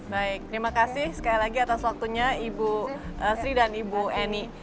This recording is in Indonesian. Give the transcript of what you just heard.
baik terima kasih sekali lagi atas waktunya ibu sri dan ibu eni